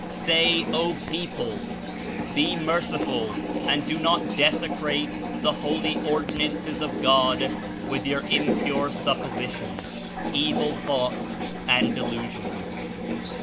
Say, O people: be merciful and do not desecrate the holy ordinances of God with your Impure suppositions, evil thoughts and delusions.